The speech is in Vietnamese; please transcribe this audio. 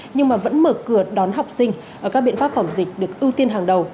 nhưng mà vẫn mở cửa đón học sinh các biện pháp phòng dịch được ưu tiên hàng đầu